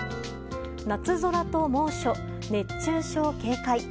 夏空と猛暑、熱中症警戒。